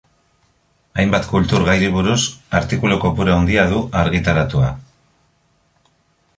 Hainbat kultur gairi buruz artikulu kopuru handia du argitaratua.